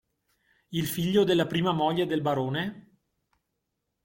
Il figlio della prima moglie del barone?